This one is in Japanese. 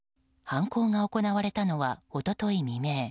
犯行が行われたのは一昨日未明。